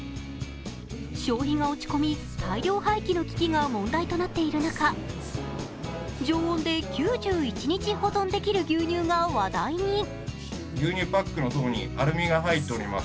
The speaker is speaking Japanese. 消費が落ち込み、大量廃棄の危機が問題となっている中、常温で９１日保存できる牛乳が話題に。